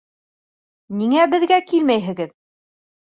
Ниңә беҙгә килмәйһегеҙ?